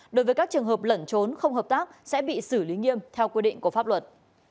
đối với các trường hợp lẩn trốn không hợp tác sẽ bị xử lý nghiêm theo quy định của pháp luật